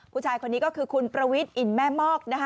ผู้ชายคนนี้ก็คือคุณประวิทย์อินแม่มอกนะคะ